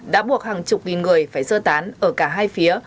đã buộc hàng chục nghìn người phải sơ tán ở cả hai phía